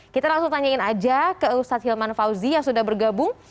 kita langsung tanyain aja ke ustadz hilman fauzi yang sudah bergabung